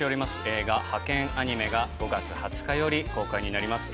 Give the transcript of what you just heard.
映画「ハケンアニメ！」が５月２０日より公開になります。